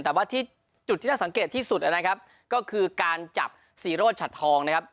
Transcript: แต่ว่าที่จุดที่น่าสังเกตที่สุดนะครับก็คือการจับซีโรธฉัดทองนะครับ